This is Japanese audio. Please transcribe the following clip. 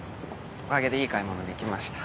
おかげでいい買い物できました。